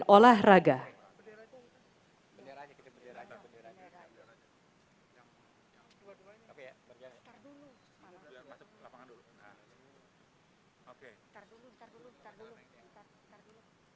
oleh menganggap ag dodru